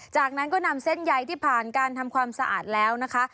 จากนั้นก็นำเส้นใยที่ผ่านการทำความสะอาดแล้วนะคะ